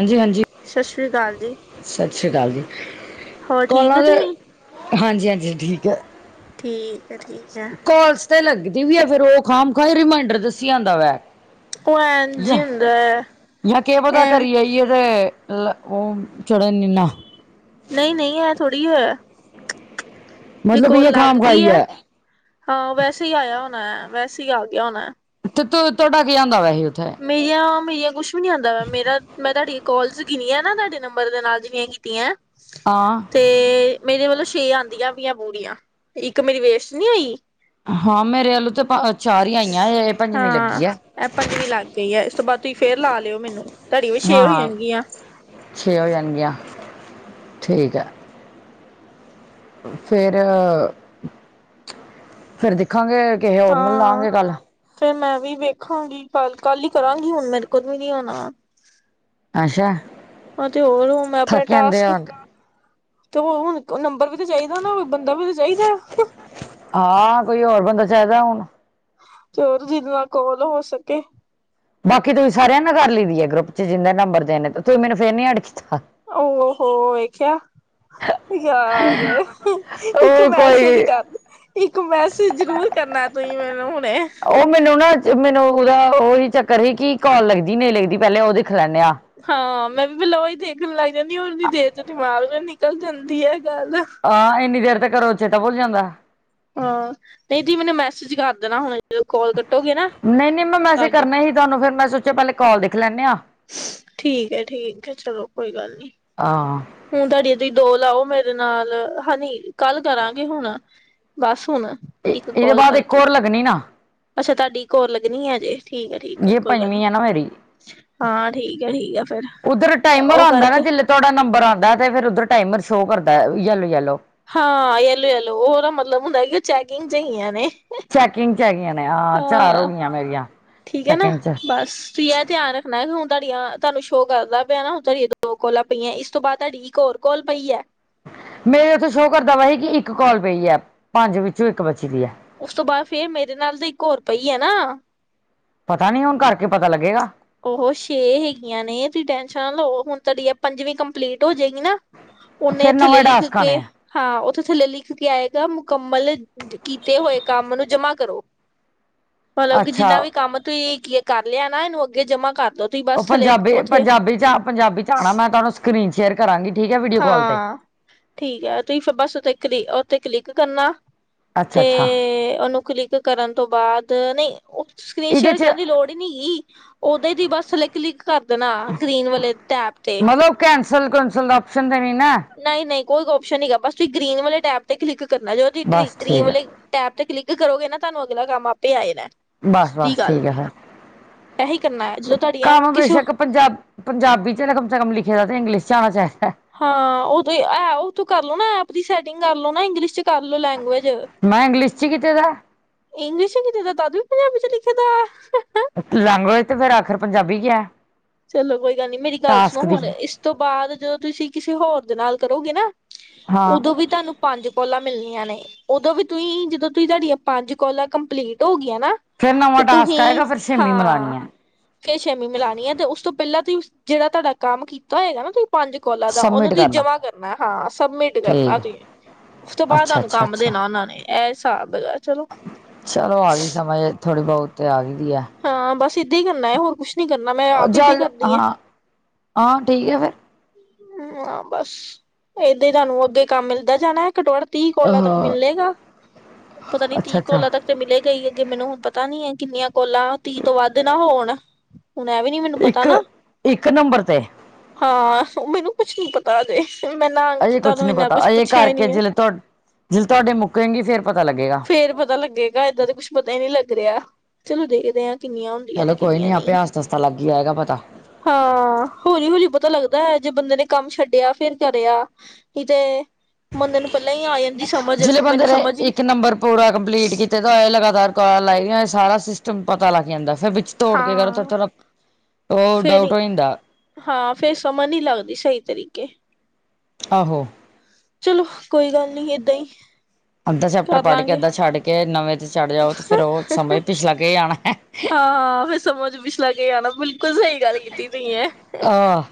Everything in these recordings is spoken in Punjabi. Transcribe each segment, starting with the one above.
ਹਾਂਜੀ-ਹਾਂਜੀ ਸਤਿ ਸ੍ਰੀ ਅਕਾਲ ਜੀ ਸਤਿ ਸ੍ਰੀ ਅਕਾਲ ਜੀ, ਹੋਰ ਠੀਕ ਹੋ ਕੋਲਾਂ ਦੇ ਤੁਸੀਂ? ਹਾਂਜੀ-ਹਾਂਜੀ ਠੀਕ ਹੈ ਠੀਕ। ਠੀਕ ਜਿਹਾ। ਕਾਲਸ ਤੇ ਲੱਗਦੀ ਵੀ ਹੈ'ਫਿਰ ਉਹ ਖਾਮ ਖਾ ਰਮਾਇੰਡਰ ਦੱਸੀ ਜਾਂਦਾ ਵਾ। ਉਹ ਐਂਜ ਹੀ ਹੁੰਦਾ ਹੈ, ਜਾਂ ਕੇ ਪਤਾ ਐ ਕਰੀ ਆਈਏ ਤੇ। ਅ ਉਹ ਚੜਨਨਾ। ਨਹੀਂ-ਨਹੀਂ ਐ ਥੋੜੀ ਹੋਇਆ। ਜੇ ਮਤਲਬ ਕੋਲ ਇਹ ਲੱਗ ਖਾਮ ਗਈ ਖਾਈ ਹੈ ਹੈ'ਹਾਂ ਵੈਸੇ ਹੀ ਆਇਆ ਹੋਣਾ ਹੈ ਵੈਸੇ ਹੀ ਆ ਗਿਆ ਹੋਣਾ। ਤੇ ਤੁਹਾਡਾ ਕੀ ਆਂਉਦਾ ਵੈਸੇ ਉੱਥੇ। ਮੇਰੀਆਂ, ਮੇਰੀਆਂ ਕੁੱਛ ਵੀ ਨੀ ਆਉਂਦਾ ਪਿਆ। ਮੇਰਾ ਮੈਂ ਤੁਹਾਡੀ ਕੋਲਸ ਗਿਣੀਆ ਨਾ ਤੁਹਾਡੇ ਨੰਬਰ ਦੇ ਨਾਲ ਜਿੰਨੀਆਂ ਕੀਤੀਆਂ। ਹਾਂ। ਤੇ ਮੇਰੇ ਵੱਲੋਂ ਛੇ ਆਉਂਦੀਆਂ ਪਈਆ ਪੂਰੀਆਂ' ਇੱਕ ਮੇਰੀ ਵੇਸਟ ਨੀ ਹੋਈ। ਹਾਂ ਮੇਰੇ ਵੱਲੋ ਤੇ ਚਾਰ ਹੀ ਆਈਆਂ ਇਹ ਪੰਜਵੀਂ ਹਾਂ ਲੱਗੀ ਆ। ਇਹ ਪੰਜਵੀਂ ਲੱਗ ਗਈ ਆ ਇਸ ਤੋਂ ਬਾਅਦ ਤੁਸੀਂ ਫੇਰ ਲਾ ਲਿਓ ਮੈਨੂੰ, ਤੁਹਾਡੀ ਵੀ ਛੇ ਹਾਂ ਹੋ ਹਾਂ ਜਾਣਗੀਆਂ। ਛੇ ਹੋ ਜਾਣਗੀਆਂ, ਠੀਕ ਹੈ। ਫੇਰ, ਫਿਰ ਦੇਖਾਂਗੇ ਕਿਸੇ ਹੋਰ ਨਾਲ ਲਾਵਾਂਗੇ ਕੱਲ। ਫਿਰ ਮੈਂ ਵੀ ਵੇਖਾਂਗੀ ਕੱਲ, ਕੱਲ ਹੀ ਕਰਾਂਗੀ ਹੁਣ ਮੇਰੇ ਕੋਲ ਵੀ ਨਹੀ ਹੋਣਾ। ਅੱਛਾ ਹਜੇ ਹੋਰ ਮੈਂ ਆਪਣੇ ਥੱਕ ਜਾਂਦੇ ਟਾਸਕ ਆ ਤੇ ਉਹ ਹੁਣ ਨੰਬਰ ਵੀ ਤਾਂ ਚਾਹੀਦਾ ਨਾ ਬੰਦਾ ਵੀ ਤਾਂ ਚਾਹੀਦਾ ਹਾਂ ਕੋਈ ਹੋਰ ਬੰਦਾ ਚਾਹੀਦਾ ਹੁਣ ਤੇ ਹੋਰ ਜਿਦੇ ਨਾਲ ਕੋਲ ਹੋ ਸਕੇ ਬਾਕੀ ਤੁਸੀਂ ਸਾਰਿਆਂ ਨਾਲ ਕਰ ਲਈਦੀ ਹੈ ਗਰੁੱਪ 'ਚ ਜਿੰਨੇ ਨੰਬਰ ਦੇ ਨੇ ਤੁਸੀਂ ਮੈਨੂੰ ਫਿਰ ਨੀ ਐੱਡ ਕੀਤਾ। ਓ ਹੋ ਵੇਖਿਆ। ਯਾਰ, ਇੱਕ ਉਹ ਮੈਸੇਜ ਕੋਈ ਕਰਦੇ। ਇੱਕ ਮੈਸੇਜ ਜ਼ਰੂਰ ਕਰਨਾ ਤੁਸੀਂ ਮੈਨੂੰ ਹੁਣੇ। ਉਹ ਮੈਨੂੰ ਨਾ ਮੈਨੂੰ ਉਹਦਾ ਉਹੀ ਚੱਕਰ ਸੀ ਕਿ ਕਾਲ ਲੱਗਦੀ ਨਹੀਂ ਲੱਗਦੀ ਪਹਿਲੇ ਉਹ ਦੇਖ ਲੈਂਦੇ ਆ। ਹਾਂ ਮੈਂ ਵੀ ਪਹਿਲਾ ਉਹੀ ਦੇਖਣ ਲੱਗ ਜਾਂਦੀ ਉਹਨੀਂ ਦੇਰ ਚ ਦਿਮਾਗ ਨਿਕਲ ਜਾਂਦੀ ਹੈ ਗੱਲ। ਹਾਂ ਇੰਨੀ ਦੇਰ ਤੱਕ ਕਰੋ ਚੇਤਾ ਭੁੱਲ ਜਾਂਦਾ। ਹਾਂ, ਨਹੀਂ ਦੀਦੀ ਮੈਨੂੰ ਮੈਸੇਜ ਕਰ ਦੇਣਾ ਹੁਣ ਜਦੋਂ ਕਾਲ ਕੱਟੋਗੇ ਨਾ ਨਹੀਂ ਨਹੀਂ ਮੈਂ ਕਰ ਮੈਸੇਜ ਦਿਓ। ਕਰਨਾ ਹੀ ਤੁਹਾਨੂੰ ਫੇਰ ਮੈਂ ਸੋਚਿਆ ਪਹਿਲੇ ਕੋਲ ਦੇਖ ਲੈਂਦੇ ਹਾਂ। ਠੀਕ ਹੈ' ਠੀਕ ਹੈ ਚਲੋ ਕੋਈ ਗੱਲ ਨੀ। ਆਹ। ਹੁਣ ਤੁਹਾਡੀ ਤੁ ਦੋ ਲਾਓ ਮੇਰੇ ਨਾਲ' ਹਨੀ ਕੱਲ ਕਰਾਂਗੇ ਹੁਣ। ਬਸ ਹੁਣ। ਇੱਕ ਇਹਦੇ ਕਾਲ ਬਾਅਦ ਇੱਕ ਕਰਕੇ ਹੋਰ ਲੱਗਣੀ ਨਾ। ਅੱਛਾ ਤੁਹਾਡੀ ਇੱਕ ਹੋਰ ਲੱਗਣੀ ਹੈ ਹਜੇ। ਜੇ ਪੰਜਵੀਂ ਆ ਨਾ ਮੇਰੀ। ਹਾਂ' ਠੀਕ ਆ ਠੀਕ ਆ ਫੇਰ। ਉੱਧਰ ਟਾਈਮਰ ਉਹ ਆਉਂਦਾ ਨਾ ਕਰਕੇ ਜਿਹਲੇ ਤੁਹਾਡਾ ਨੰਬਰ ਆਉਂਦਾ ਤੇ ਫਿਰ ਉਧਰ ਟਾਈਮਰ ਸ਼ੋਅ ਕਰਦਾ ਹੈ ਯੈਲੋ- ਯੈਲੋ। ਹਾਂ ਯੈਲੋ, ਯੌਲੋ ਉਹਦਾ ਮਤਲਬ ਹੁੰਦਾ ਕਿ ਉਹ ਚੈਕਿੰਗ ਚ ਹੀ ਆਈਆ ਨੇ ਚੈਕਿੰਗ 'ਚ ਹੈਗੀਆਂ ਨੇ, ਹਾਂ ਚਾਰ ਹੋ ਗਈਆਂ। ਰੀਆਂ। [inaudible] ਕਹਿਨਾ। ਬਸ ਤੁ ਇਹ ਧਿਆਨ ਰੱਖਣਾ ਹੁਣ ਤੁਹਾਡੀਆਂ ਤੁਹਾਨੂੰ ਸ਼ੋਅ ਕਰਦਾ ਪਿਆ ਹੁਣ ਤੁਹਾਡੀਆਂ ਦੋ ਕੋਲਾਂ ਪਈਆਂ ਇਸ ਤੋਂ ਬਾਅਦ ਤੁਹਾਡੀ। ਇਕ ਔਰ ਕੋਲ ਪਈ ਹੈ। ਮੇਰੇ ਉੱਥੇ ਸ਼ੋਅ ਕਰਦਾ ਵਾ ਸੀ' ਕਿ ਇੱਕ ਕੋਲ ਪਈ ਹੈ ਪੰਜ ਵਿੱਚੋਂ ਇੱਕ ਬੱਚੀ ਦੀ ਹੈ। ਉਸ ਤੋਂ ਬਾਅਦ ਫੇਰ ਮੇਰੇ ਨਾਲ ਤੇ ਇੱਕ ਹੋਰ ਪਈ ਆ ਨਾ। ਪਤਾ ਨੀ ਹੁਣ ਕਰਕੇ ਪਤਾ ਲੱਗੇਗਾ। ਉਹ ਛੇ ਹੈਗੀਆਂ ਨੇ ਤੁਸੀਂ ਟੈਨਸ਼ਨਾਂ ਲਓ ਹੁਣ ਤੁਹਾਡੀ ਪੰਜਵੀਂ ਕੰਪਲੀਟ ਹੋ ਜਾਏਗੀ ਨਾ। ਉਹਨੇ ਫਿਰ ਥੱਲੇ ਨਵਾਂ ਲਿਖ ਡਾਸਕ ਕੇ ਆਣੇ ਆ ਹਾਂ ਉੱਥੇ ਥੱਲੇ ਲਿਖ ਕੇ ਆਏਗਾ ਮੁਕੰਮਲ ਕੀਤੇ ਹੋਏ ਕੰਮ ਨੂੰ ਜਮਾ ਕਰੋ। ਮਤਲਬ ਕਿ ਅੱਛਾ ਜਿੰਨਾ ਵੀ ਕੰਮ ਤੁਸੀਂ ਕਰ ਲਿਆ ਨਾ ਇਹਨੂੰ ਅੱਗੇ ਜਮਾ ਕਰ ਲੋ। ਉਹ ਪੰਜਾਬੀ ਪੰਜਾਬੀ ਚ ਪੰਜਾਬੀ ਚ ਆਉਣਾ ਮੈਂ ਤੁਹਾਨੂੰ ਸਕਰੀਨ ਸ਼ੇਅਰ ਕਰਾਂਗੀ ਠੀਕ ਹੈ ਵੀਡੀਓ ਕਾਲ ਤੇ। ਹਾਂ ਠੀਕ ਹੈ ਤੁਸੀਂ ਫੇਰ ਬਸ ਉਥ ਕਲੀ ਉਥੇ ਕਲਿੱਕ ਕਰਨਾ ਅੱਛਾ ਤੇ ਅੱਛਾ ਉਹਨੂੰ ਕਲਿੱਕ, ਕਰਨ ਤੋਂ ਬਾਅਦ ਨਹੀਂ ਉਹ ਸਕਰੀਨ ਇਹਦੇ ਸ਼ੇਅਰ 'ਚ ਕਰਨ ਦੀ ਲੋੜ ਹੀ ਨਹੀਂ ਗੀ, ਉਹਦੇ ਦੀ ਬਸ ਥੇ ਕਲਿੱਕ ਕਰ ਦੇਣਾ ਗ੍ਰੀਨ ਵਾਲੇ ਟੈਪ ਤੇ, ਮਤਲਬ ਕੈਂਸਲ ਕਸਲ ਔਪਸ਼ਨ ਦੇਣੀ ਨਾ, ਨਹੀਂ, ਨਹੀਂ, ਕੋਈ ਓਪਸ਼ਨ ਨੀ ਗਾ ਬਸ ਤੁਸੀਂ ਗ੍ਰੀਨ ਵਾਲੇ ਟੈਬ ਤੇ ਕਲਿੱਕ ਕਰਨਾ ਜੋ ਤੁਸੀਂ ਬਸ ਗ੍ਰਨ ਠੀਕ ਹੈ ਵਾਲੇ, ਟੈਪ ਤੇ ਕਲਿੱਕ ਕਰੋਗੇ ਨਾ ਤੁਹਾਨੂੰ ਅਗਲਾ ਕੰਮ ਆਪੇ ਆ ਜਾਣਾ। ਬਸ ਸਿੱਧੀ ਬਸ ਗੱਲ, ਠੀਕ ਹੈ ਫਿਰ ਇਹੀ ਕਰਨਾ ਹੈ ਜਦੋਂ ਤੁਹਾਡੀਆਂ ਕੰਮ ਕਿਸੇ ਬੇਸ਼ੱਕ ਪੰਜਾਬ ਪੰਜਾਬੀ ਚ ਕਮ ਸੇ ਕਮ ਲਿਖੇ ਦਾ ਤੇ ਇੰਗਲਿਸ਼ ਚ ਆਣਾ ਚਾਹੀਦਾ, ਹਾਂ ਉਹ ਤੇ ਐ ਉਹ ਤੋ ਕਰ ਲੋ ਨਾ ਐਪ ਦੀ ਸੈਟਿੰਗ ਕਰ ਲੋ ਨਾ ਇੰਗਲਿਸ਼ ਚ, ਕਰਲੋ ਲੈਂਗੁਏਜ, ਮੈਂ ਇੰਗਲਿਸ਼ 'ਚ ਕੀਤੇ ਦਾ ਇੰਗਲਿਸ਼ ਹੀ ਨਹੀਂ ਦੇਤਾ ਤਦ ਵੀ ਪੰਜਾਬੀ ਚ ਲਿਖੇ ਦਾ, ਲੈਂਗੁਏਜ ਤੇ ਫੇਰ ਆਖਰ ਪੰਜਾਬੀ ਚ ਆ, ਚਲੋ ਕੋਈ ਗੱਲ ਨਹੀਂ ਮੇਰੀ ਗੱਲ ਸੁਣੋ ਹੁਣ ਇਸ ਤੋਂ ਬਾਅਦ ਜਦੋਂ ਤੁਸੀਂ ਕਿਸੇ ਹੋਰ ਦੇ ਨਾਲ ਕਰੋਗੇ ਨਾ, ਹਾਂ ਉਦੋਂ ਵੀ ਤੁਹਾਨੂੰ, ਪੰਜ ਕੋਲਾਂ ਮਿਲਣੀਆਂ ਨੇ ਉਦੋਂ ਵੀ ਤੁਸੀਂ ਜਦੋਂ ਤੁਸੀਂ ਤੁਹਾਡੀਆਂ ਪੰਜ ਕੋਲਾਂ ਕੰਪਲੀਟ ਹੋ ਗਈਆਂ ਨਾ, ਫਿਰ ਤੇ ਨਵਾਂ ਟਾਸਕ ਤੁਹੀਂ, ਆਏਗਾ ਫਿਰ ਛੇਵੀਂ ਹਾਂ। ਮਿਲਾਣੀ ਹੈ ਕੇ ਛਵੀਂ ਮਿਲਾਉਣੀ ਹੈ ਤੇ ਉਸ ਤੋਂ ਪਹਿਲਾਂ ਤੁਸੀਂ ਜਿਹੜਾ ਤੁਹਾਡਾ ਕੰਮ ਕੀਤਾ ਹੈਗਾ ਨਾ ਤੁਸੀਂ ਪੰਜ, ਕੋਲਾ ਦਾ ਉਹਨੂੰ ਤੁਹੀਂ ਜਮਾ ਕਰਨਾ ਹਾਂ, ਸਬਮਿਟ ਕਰਨਾ ਠੀਕ ਤੁਹੀਂ। ਉਸ ਤੋਂ ਬਾਅਦ ਅੱਛਾ ਤੁਹਾਨੂੰ ਅੱਛਾ ਕੰਮ ਅੱਛਾ ਦੇਣਾ ਉਹਨਾਂ ਨੇ ਇਹ ਹਿਸਾਬ ਚਲੋ ਚਲੋ ਆ ਗਈ ਸਮਝ ਥੋੜੀ ਬਹੁਤ ਤੇ ਆ ਗਈ ਹੈ। ਹਾਂ, ਬਸ ਏਦਾਂ ਹੀ ਕਰਨਾ ਹੈ ਹੋਰ ਕੁਛ ਨੀ ਕਰਨਾ ਮੈਂ ਆਪ ਏਦਾਂ ਹੀ ਜਲ ਕਰਦੀ ਆ। ਹਾਂ ਹਾਂ, ਠੀਕ ਆ ਫੇਰ, ਹਾਂ ਬਸ ਏਦਾਂ ਹੀ ਤੁਹਾਨੂੰ ਅੱਗੇ ਕੰਮ ਮਿਲਦਾ ਜਾਣਾ। ਘਟੋ ਘੱਟ ਤੀਹ ਕੋਲਾ ਤੱਕ ਅਹ ਮਿਲੇਗਾ, ਪਤਾ ਨੀ ਅੱਛਾ ਤੀਹ ਅੱਛਾ ਕੋਲਾ ਤੱਕ ਮਿਲੇ ਗਈ ਅੱਗੇ ਮੈਨੂੰ ਹੁਣ ਪਤਾ ਨੀ ਹੈ ਕਿੰਨੀਆਂ ਕੋਲਾਂ ਤੀਹ ਤੋਂ ਵੱਧ ਨਾ ਹੋਣ, ਹੁਣ ਇਹ ਵੀ ਨੀ ਮੈਨੂੰ ਪਤਾ ਇੱਕ ਨਾ, ਇੱਕ ਨੰਬਰ ਤੇ ਹਾਂ ਮੈਨੂੰ ਕੁਛ ਨੀ ਪਤਾ ਅਜੇ, ਫਿਰ ਮੈਂ ਨਾ ਅਜੇ ਕੀਤਾ ਕੁਛ ਨੂੰ ਨਹੀਂ ਇੰਨਾ ਪਤਾ ਕੁਛ ਅਜੇ ਪੁੱਛਿਆ ਹੀ ਕਰਕੇ ਨੀ ਆ। ਜਿਲੇ ਤੁਹਾ ਜਿਲੇ ਤੁਹਾਡੇ ਮੁੱਕੇਗੀ ਫੇਰ ਪਤਾ ਲੱਗੇਗਾ ਫੇਰ ਪਤਾ ਲੱਗੇਗਾ ਏਦਾਂ ਦੇ ਕੁਛ ਪਤਾ ਹੀ ਨਹੀਂ ਲੱਗ ਰਿਹਾ, ਚਲੋ ਦੇਖਦੇ ਹਾਂ, ਕਿੰਨੀਆਂ ਹੁੰਦੀਆਂ ਚਲੋ ਤੇ ਕੋਈ ਕਿੰਨੀਆਂ ਨੀ ਆਪੇ ਨਹੀਂ। ਆਸਤਾ ਆਸਤਾ ਲੱਗ ਹੀ ਆਏਗਾ ਪਤਾ। ਹਾਂ, ਹੌਲੀ ਹੌਲੀ ਪਤਾ ਲੱਗਦਾ ਹੁੰਦਾ ਹੈ ਜੇ ਬੰਦੇ ਨੇ ਕੰਮ ਛੱਡਿਆ ਫਿਰ ਕਰਿਆ ਕਿਤੇ ਮਦੇ ਨੂੰ ਪਹਿਲਾਂ ਹੀ ਜਿ ਬੰਦੇ ਮੈਨੂੰ ਨੇ ਸਮਝ ਹੀ ਇੱਕ ਨੰਬਰ ਪੂਰਾ ਕੰਪਲੀਟ ਕੀਤਾ, ਲਗਾਤਾਰ ਕਾਲ ਲਾਈਆਂ ਹੋਏ ਸਾਰਾ ਸਿਸਟਮ ਪਤਾ ਲੱਗ ਜਾਂਦਾ ਫਿਰ ਵਿੱਚ ਤੋੜ ਕੇ ਕਰ ਥੋੜਾ ਹਾਂ ਥੋੜਾ, ਉਹ ਫੇਰ ਡਾਊਟ ਹੋ ਜਾਂਦਾ, ਹਾਂ, ਫੇਰ ਸਮਝ ਨਹੀਂ ਲਗਦੀ ਸਹੀ ਤਰੀਕੇ। ਆਹੋ, ਚਲੋ ਕੋਈ ਗੱਲ ਨੀ ਏਦਾਂ ਹੀ, ਅੱਧਾ ਚੈਪਟਰ ਕਰ ਪੜ੍ਹ ਕੇ ਲਾਂਗੇ। ਅੱਧਾ ਛੱਡ ਕੇ ਨਵੇਂ ਤੇ ਛੜ੍ਹ ਜਾਓ ਤੇ ਫਿਰ ਉਹ ਸਮਾਂ ਪਿਛਲਾ ਕੇ ਜਾਣਾ, ਹਾਂ ਫੇਰ ਸਮਝ ਵੀ ਲੱਗ ਵੀ ਆਣਾ ਬਿਲਕੁਲ ਸਹੀ ਗੱਲ, ਕੀਤੀ ਤੁਹੀ ਐ। ਆਹ,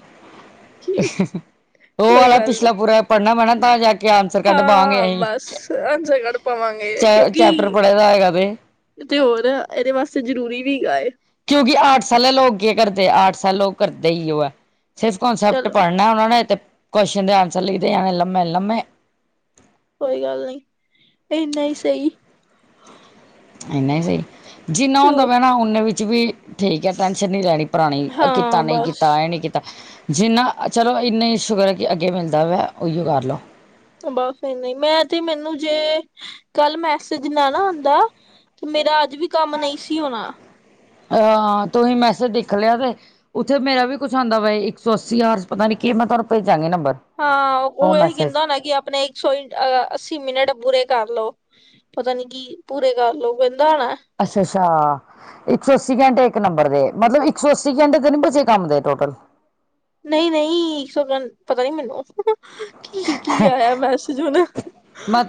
ਉਹ ਕੋਈ ਵਾਲਾ ਗੱਲ ਨੀ ਪਿਛਲਾ ਪੂਰਾ ਪੜ੍ਹਨਾ ਪੈਣਾ ਤਾਂ ਜਾ ਕੇ ਆਂਸਰ ਕੱਢ ਪਾਗੇ ਹਾਂ ਅਸੀਂ, ਬਸ ਅਨਸਰ ਕੱਢ ਪਾਵਾਂਗੇ ਚ ਚੈਪਟਰ ਕਿਉਂਕਿ ਪੜ੍ਹੇ ਦਾ ਹੈਗਾ ਤੇ, ਤੇ ਹੋਰ ਇਹਦੇ ਵਾਸਤੇ ਜ਼ਰੂਰੀ ਵੀ ਹੈਏ ਏ। ਕਿਉਂਕਿ, ਆਰਟਸ ਵਾਲੇ ਲੋਕ, ਕੀ ਕਰਦੇ, ਆਰਟਸ ਵਾਲੇ ਲੋਕ ਕਰਦੇ, ਈ ਇਹੀਓ ਆ। ਸਿਰਫ, ਕੰਸੈਪਟ ਚਲੋ ਪੜ੍ਹਨਾ ਉਹਨਾਂ ਨੇ ਤੇ, ਕੋਸ਼ਚਨ ਦੇ ਆਂਸਰ ਲਿਖਦੇ ਆ, ਐੰਵੇ ਲੰਮੇ -ਲੰਮੇ ਕੋਈ, ਗੱਲ ਨਹੀਂ ਇੰਨਾ ਹੀ ਸਹੀ। ਇੰਨਾ ਹੀ ਸਹੀ, ਜਿੰਨਾ ਤੇ ਹੁੰਦਾ ਹੋਰ ਪਿਆ ਨਾ, ਉਨੇ ਵਿੱਚ ਵੀ। ਠੀਕ ਹੈ, ਟੈਂਨਸ਼ਨ ਨਹੀਂ ਲੈਣੀ ਪੁਰਾਣੀ, ਕੀਤਾ ਹਾਂ ਨਹੀਂ ਬਸ ਕੀਤਾ, ਇਹ ਨਹੀਂ ਕੀਤਾ। ਜਿੰਨਾ, ਚਲੋ ਇੰਨੀ ਈ ਸ਼ੁਕਰ ਹੈ ਕਿ, ਅੱਗੇ ਮਿਲਦਾ ਪਿਆ, ਉਹੀਉ ਕਰ ਲਉ। ਬਸ, ਇਨੀਂ ਮੈਂ ਤੇ ਮੈਨੂੰ ਜੇ। ਕੱਲ ਮੈਸੇਜ ਨਾ, ਨਾ ਆਉਂਦਾ, ਤੇ ਮੇਰਾ ਅੱਜ ਵੀ ਕੰਮ ਨਹੀਂ ਸੀ ਹੋਣਾ। ਹਾਂ, ਤੁਸੀਂ ਮੈਸੇਜ ਦਿਖ ਲਿਆ ਤੇ। ਉੱਥੇ ਮੇਰਾ ਵੀ, ਕੁਛ ਆਉਂਦਾ ਪਿਆ ਸੀ, ਇੱਕ ਸੌ ਅੱਸੀ ਹਜ਼ਾਰ 'ਚ ਪਤਾ ਨੀ ਕੀ, ਮੈਂ ਤੁਹਾਨੂੰ ਭੇਜਾਂਗੀ ਨੰਬਰ। ਹਾਂ, ਉਹ ਇਹੀ ਕਹਿੰਦਾ ਹੋਣਾ ਕਿ, ਆਪਣੇ ਸੌ, ਅੱਸੀ ਮਿੰਟ ਪੂਰੇ ਕਰ ਲਉ, ਪਤਾ ਨੀ ਕੀ ਪੂਰੇ ਕਰ ਲਉ, ਕਹਿੰਦਾ ਹੋਣਾ। ਅੱਛਾ- ਅੱਛਾ। ਇੱਕ ਸੌ ਅੱਸੀ ਘੰਟੇ, ਇੱਕ ਨੰਬਰ ਦੇ ਮਤਲਬ ਇੱਕ ਸੌ ਅੱਸੀ ਘੰਟੇ ਤਾਂ, ਨਹੀਂ ਬਚੇ ਕੰਮ ਦੇ ਟੋਟਲ? ਨਹੀਂ -ਨਹੀਂ, [unintelligible] ਪਤਾ ਨੀ ਮੈਨੂੰ। ਕੀ -ਕੀ ਆਇਆ ਮੈਸੇਜ? ਹਨਾ। ਮੈਂ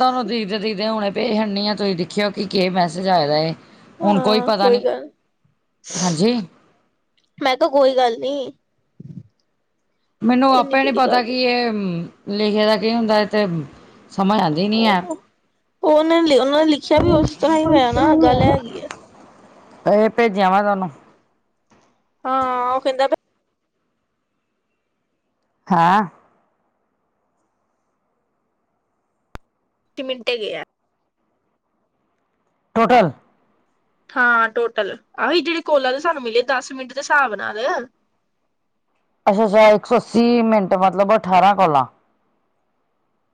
[unintelligible] ਹੁਣੇ ਭੇਜ ਦਿੰਨੀ ਆ, ਤੁਸੀਂ ਦੇਖਿਓ ਕੀ- ਕੀ ਮੈਸੇਜ ਆਇਆ ਏ? ਹੁਣ ਕੋਈ ਹਾਂ ਪਤਾ ਨਹੀਂ, ਗੱਲ ਹਾਂਜੀ? ਮੈਂ ਕਿਹਾ, ਕੋਈ ਗੱਲ ਨੀ। ਮੈਨੂੰ ਇੰਨੀ ਆਪੇ ਨਹੀਂ ਕਿਹੜੀ ਪਤਾ ਗੱਲ ਕਿ, ਇਹ ਲਿਖੇ ਦਾ ਕੀ ਹੁੰਦਾ ਇੱਥੇ ਸਮਝ ਆਉਂਦੀ ਨਹੀਂ ਹੈ। ਉਹਨਾਂ ਨੇ, ਉਹਨਾਂ ਨੇ ਲਿਖਿਆ ਵੀ, ਉਸ ਤਰ੍ਹਾਂ ਹੀ ਹੋਇਆ ਨਾ, ਗੱਲ ਐ ਹੈਗੀ ਹੈ। ਇਹ, ਭੇਜਿਆ ਵਾ ਤੁਹਾਨੂੰ। ਹਾਂ, ਉਹ ਕਹਿੰਦਾ ਹੈ। [unintelligible] ਟੋਟਲ? ਹਾਂ, ਟੋਟਲ ਆਹੀ ਜਿਹੜੇ ਕਾਲਾਂ ਦੇ, ਸਾਨੂੰ ਮਿਲੇ ਦਸ ਮਿੰਟ ਦੇ ਹਿਸਾਬ ਨਾਲ। ਅੱਛਾ -ਅੱਛਾ, ਇੱਕ ਸੌ ਅੱਸੀ, ਮਿੰਟ ਮਤਲਬ ਅਠਾਰਾਂ ਕੌਲਾਂ।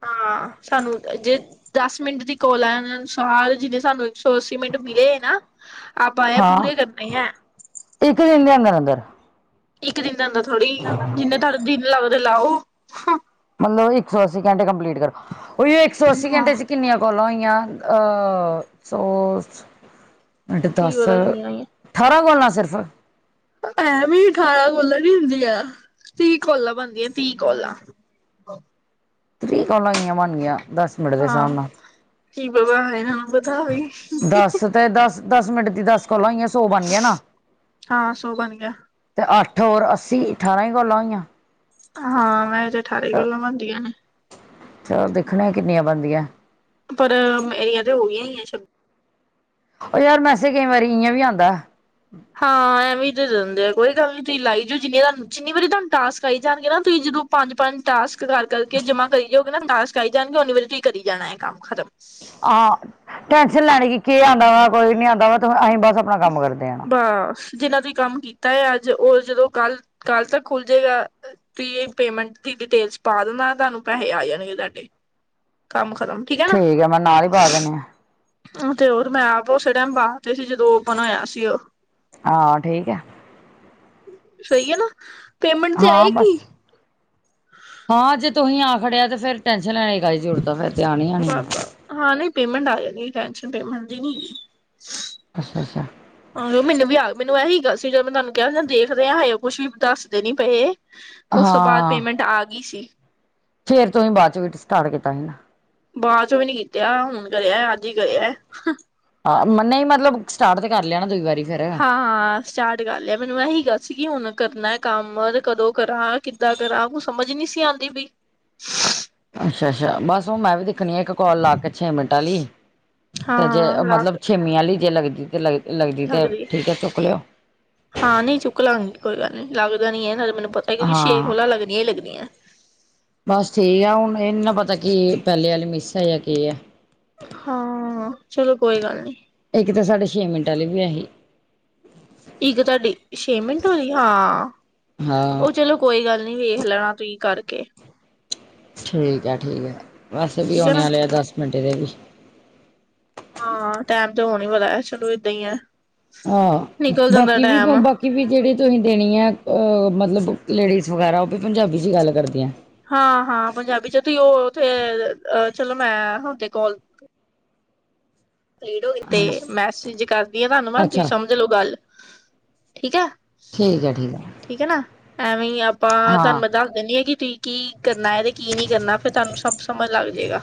ਹਾਂ, ਸਾਨੂੰ ਜੇ ਦੱਸ ਮਿੰਟ ਦੀ ਕੋਲ ਆ, ਉਸ ਅਨੁਸਾਰ ਜਿਹਨੇ ਸਾਨੂੰ ਇੱਕ ਸੌ ਅੱਸੀ ਮਿੰਟ ਮਿਲੇ ਨਾ। ਆਪਾਂ, ਇਹ ਹਾਂ ਪੂਰੇ ਕਰਨੇ ਹੈ। ਇੱਕ, ਦਿਨ ਦੇ ਅੰਦਰ -ਅੰਦਰ। ਇੱਕ ਦਿਨ ਦੇ ਅੰਦਰ ਥੋੜੀ, ਜਿੰਨੇ ਤੁਹਾਡੇ ਦਿਨ ਲੱਗਦੇ ਲਾਓ। ਮਤਲਬ, ਇੱਕ ਸੌ ਅੱਸੀ ਘੰਟੇ ਕੰਪਲੀਟ ਕਰੋ। ਉਹੀ ਇੱਕ ਸੌ ਅੱਸੀ ਘੰਟੇ 'ਚ ਕਿੰਨੀਆਂ? ਕੌਲਾ ਹੋਈਆਂ, ਅਹ, ਸੌ, ਅੱਠ, ਕੀ ਦਸ। ਪਤਾ ਕਿੰਨੀਆਂ ਆਈਆਂ ਅਠਾਰਾਂ, ਕੋਲਾਂ ਸਿਰਫ। ਐੰਵੀ ਅਠਾਰਾਂ ਕੋਲਾਂ ਨੀ ਹੁੰਦੀਆ, ਤੀਹ ਕੋਲਾਂ ਬਣਦੀਆਂ, ਤੀਹ ਕੋਲਾਂ। ਤੀਹ ਕੋਲਾਂ, ਕਿਵੇਂ ਬਣਨ ਗਈਆਂ? ਦਸ ਮਿੰਟ ਦੇ ਹਿਸਾਬ ਹਾਂ ਨਾਲ। ਕੀ ਪਤਾ, ਮੈਨੂੰ ਕੀ ਪਤਾ ਬਈ। ਦਸ ਤੇ ਦਸ- ਦਸ ਮਿੰਟ ਦੀ, ਦਸ ਕੋਲਾਂ ਹੋਈਆਂ, ਸੌ ਬਣ ਗਿਆ ਨਾ। ਹਾਂ ਸੌ ਬਣ ਗਿਆ ਤੇ ਅੱਠ ਔਰ ਅੱਸੀ, ਅਠਾਰਾਂ ਹੀ ਕੋਲਾਂ ਹੋਈਆਂ। ਹਾਂ, ਵੈਸੇ ਅਠਾਰਾਂ ਹੀ ਕੋਲਾਂ ਬਣਦੀਆਂ ਨੇ। ਚਲ, ਦੇਖਨੇ ਆ ਕਿੰਨੀਆਂ ਬਣਦੀਆਂ? ਪਰ, ਮੇਰੀਆਂ ਤੇ ਹੋਈਆਂ ਹੀ ਹੈ ਛੱ ਉਹ, ਯਾਰ ਮੈਸੇਜ ਕਈ ਵਾਰੀਂ ਇਵੇਂ ਵੀ ਆਉਂਦਾ। ਹਾਂ ਐਵੇਂ ਈ ਦੇ ਦਿੰਦੇ ਆ, ਕੋਈ ਗੱਲ ਨੀ, ਤੁਸੀਂ ਲਾਈ ਜਾਉ, ਜਿੰਨੀ ਤੁਹਾਨੂੰ, ਜਿੰਨੀ ਵਾਰੀ ਤੁਹਾਨੂੰ ਟਾਸਕ ਆਈ ਜਾਣਗੇ ਨਾ ਤੁਸੀਂ ਜਦੋਂ ਪੰਜ -ਪੰਜ, ਟਾਸਕ ਕਰ-ਕਰ ਕੇ ਜਮਾ ਕਰੀ ਜਾਉਗੇ ਨਾ, ਤੁਹਾਨੂੰ ਟਾਸਕ ਆਈ ਜਾਣਗੇ, ਉਨੀਂ ਵਾਰੀ ਚ ਕਰੀ ਜਾਣਾ ਹੈ ਕੰਮ ਖ਼ਤਮ। ਹਾਂ, ਟੈਂਨਸ਼ਨ ਲੈਣੀ ਕਿ, ਕੇ ਆਉਂਦਾ ਵਾ, ਕੋਈ ਨਹੀਂ ਆਉਂਦਾ ਵਾ। ਤੇ ਅਸੀਂ ਬਸ ਆਪਣਾ ਕੰਮ ਕਰਦੇ ਆਣਾ ਬਸ। ਜਿੰਨਾਂ ਨੇ ਕੰਮ ਕੀਤਾ ਅੱਜ ਉਹ ਜਦੋਂ ਕੱਲ ਕੱਲ ਤੱਕ ਖੁੱਲ ਜੇਗਾਂ। ਪੀ ਏ ਪੇਮੈਂਟ ਦੀ ਡਿਟੇਲਸ ਪਾ ਦੇਵਾ ਤੁਹਾਨੂੰ ਪੈਸੇ ਆ ਜਾਣਗੇ ਤੁਹਾਡੇ ਕੰਮ ਖਤਮ ਠੀਕ ਹੈ ਮੈਂ ਨਾਲ ਹੀ ਪਾ ਦਿਨੇ ਆਾਂ ਤੇ ਹੋਰ ਮੈਂ ਆਪ ਉਸੇ ਟਾਈਮ ਬਾਹਰ ਤੇ ਸੀ ਜਦੋਂ ਉਹ ਬਣਇਆ ਸੀ ਉਹ ਹਾਂ ਠੀਕ ਆ ਸਹੀ ਹੈ ਨਾ ਪੇਮੈਂਟ ਤੇ ਹਾਂ ਬਸ ਆਏਗੀ ਹਾਂ ਜੇ ਤੁਸੀ ਆ ਖੜਿਆ ਤੇ ਫੇਰ ਟੈਨਸ਼ਨ ਲੈਣੀ ਦੀ ਗ ਜ਼ਰੂਰਤ ਫ਼ਰ ਤੇਿਆਨਈ ਆਣੀ ਬਾਬਾ ਹਾਂ ਨਹੀਂ ਪੇਮੈਂਟ ਆ ਜਾਣੀ ਟੈਂਸ਼ਨ ਪੇਮੈਂਟ ਦੀ ਨੀ ਅੱਛਾ ਅੱਛਾ ਆਹ ਮੈਨੂੰ ਵੀ ਆ ਮੈਨੂੰ ਇਹੀ ਗੱਲ ਸੀ ਜਦੋਂ ਮੈਂ ਤੁਹਾਨੂੰ ਕਿਹਾ ਦੇਖਦੇ ਆ ਉਹ ਕੁੱਛ ਵੀ ਦੱਸਦੇ ਨੀ ਪਏ ਉਸ ਤੋਂ ਬਾਅਦ ਹਾਂ ਪੇਮੈਂਟ ਆ ਗਈ ਸੀ ਫੇਰ ਤੋਂ ਹੀ ਬਾਅਦ ਚ ਵੀ ਸਟਾਰਟ ਕੀਤਾ ਸੀ ਨਾ ਬਾਅਦ ਚੋਂ ਵੀ ਨੀ ਕੀਤਾ ਹੁਣ ਕਰਿਆ ਅੱਜ ਹੀ ਕਰਿਆ ਹਾਂ ਨਹੀਂ ਮਤਲਬ ਸਟਾਰਟ ਤੇ ਕਰ ਲਿਆਣਾ ਦੂਈ ਵਾਰੀ ਫੇਰ ਹਾਂ ਹਾ ਸਟਾਰਟ ਕਰ ਲਿਆ ਮੈਨੂੰ ਇਹੀ ਗ ਸੀ ਕਿ ਹੁਣ ਕਰਨਾ ਕੰਮ ਕਦੋਂ ਕਰਾਂ ਕਿੱਦਾਂ ਕਰਾਂ ਕੁ ਸਮਝ ਨਹੀਂ ਸੀ ਆਉਂਦੀ ਬਈ ਅੱਛਾ ਅੱਛਾ ਬਸ ਹੁਣ ਮੈਂ ਵੀ ਦੇਖਣੀ ਆ ਇੱਕ ਕਾਲ ਲਾ ਕੇ ਛੇ ਮਿੰਟ ਵਾਲ ਲਈ ਤੇ ਜੇ ਹਾਂ ਲੱਗ ਮਤਲਬ ਛੇਮੀ ਵਾਲੀ ਜੇ ਲੱਗਦੀ ਤੇ ਲੱਗਦੀ ਤੇ ਲੱਗਦੀ ਠੀਕ ਹੈ ਚੁੱਕ ਲਿਓ ਹਾਂ ਨਹੀਂ ਚੁੱਕ ਲਾਂਗੀ ਕੋਈ ਗੱਲ ਨੀ ਲੱਗਦਾ ਨੀ ਹੈ। ਨਾਲੇ ਮੈਨੂੰ ਪਤਾ ਕਿਉਂਕਿ ਛੇ ਹਾਂ ਕੋਲਾਂ ਲੱਗਦੀਆਂ ਹੀ ਲੱਗਦੀਆਂ। ਬਸ ਠੀਕ ਆ ਹੁਣ ਇਹ ਨਹੀਂ ਨਾ ਪਤਾ ਕੀ ਪਹਿਲੇ ਵਾਲੀ ਮਿਸ ਹੈ ਜਾਂ ਕੀ ਆ। ਹਾਂ ਚਲੋ ਕੋਈ ਗੱਲ ਨੀ। ਇੱਕ ਤਾਂ ਸਾਡੇ ਛੇ ਮਿੰਟ ਲਈ ਵੀ ਆਹੀ। ਇੱਕ ਤੁਹਾਡੀ ਛੇ ਮਿੰਟ ਵਾਲ਼ੀ ਹਾਂ ਹਾਂ ਉਹ ਚਲੋ। ਕੋਈ ਗੱਲ ਨਹੀਂ ਵੇਖ ਲੈਣਾ ਤੁਸੀਂ ਕਰਕੇ ਠੀਕ ਹੈ ਠੀਕ ਹੈ ਬਸ ਵੀ ਠੀਕ ਹੈ ਨਾ ਆਉਣੇ ਤੇ ਆ ਦਸ ਮਿੰਟ ਦੇ ਵੀ ਹਾਂ ਟੈਮ ਤਾਂ ਹੋਣ ਹੀ ਪਤਾ ਚਲੋ ਏਦਾਂ ਹੀ ਆ ਹਾਂ ਬਾਕੀ ਵੀ ਬਾਕੀ ਕਿ ਵੀ ਜਿਹੜੀ ਤੁਸੀਂ ਦੇਣੀ ਆ ਮਤਲਬ ਲੇਡੀਜ਼ ਵਗੈਰਾ ਉਹ ਵੀ ਪੰਜਾਬੀ 'ਚ ਹੀ ਗੱਲ ਕਰਦੀਆ ਹੈ ਹਾਂ ਹਾਂ ਪੰਜਾਬੀ ਚ ਤੁਸੀਂ ਉਹਥੇ ਚਲੋ ਮੈਂ ਹਦੇ ਕੋਲ ਤੇ ਹਾਂਜੀ ਮੈਸਜ ਕਰਦੀ ਹਾਂ ਤੁਹਨੂੰਵਾਦ ਤੁਸੀਂ ਅੱਛਾ ਸਮਝ ਲੋੋ ਗੱਲ ਠੀਕ ਹੈ ਠੀਕ ਹੈ ਠੀਕ ਹੈ ਠੀਕ ਹੈ ਨਾ ਐਵੇਂ ਆਪਾਂ ਤੁਹਾਨੂੰ ਹਾਂ ਵਾ ਦੱਸ ਦਿੰਨੀ ਆਾਂ ਕਿ ਕਰਨਾ ਹੈ ਤੇ ਕੀ ਨਹੀਂ ਕਰਨਾ ਫਿਰ ਤੁਹਾਨੂੰ ਸਭ ਸਮਝ ਲੱਗ ਜਾਏਗਾ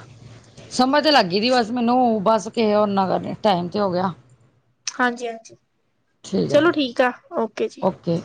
ਸਮਝ ਤੇ ਲੱਗ ਗਈ ਸੀ ਬਸ ਮੈਨੂੰ ਬਸ ਓਨਾ ਕਰ ਟਾਈਮ ਤੇ ਹੋ ਗਿਆ ਹਾਂਜੀ ਹਾਂਜੀ ਠੀਕ ਹੈ ਚਲੋ ਫਿਰ ਆ ਜੀ ਓਕੇ